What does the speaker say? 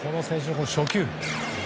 初球。